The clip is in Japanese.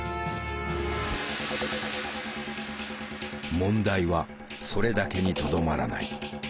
問題はそれだけにとどまらない。